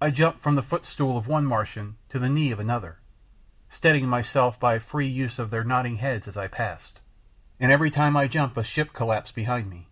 I jumped from the footstool of one Martian to the knee of another, steadying myself by a free use of their nodding heads as I passed. And every time I jumped a ship collapsed behind me.